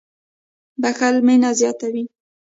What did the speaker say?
• بښل مینه زیاتوي.